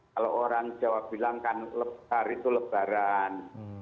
kalau orang jawa bilang kan lebaran itu lebaran